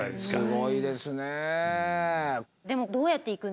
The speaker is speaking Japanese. すごいですね。